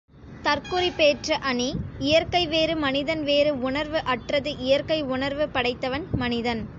தற்குறிப்பேற்ற அணி இயற்கை வேறு மனிதன் வேறு உணர்வு அற்றது இயற்கை உணர்வு படைத்தவன் மனிதன்.